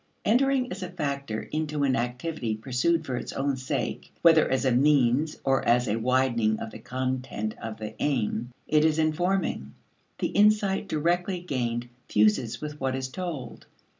Entering as a factor into an activity pursued for its own sake whether as a means or as a widening of the content of the aim it is informing. The insight directly gained fuses with what is told.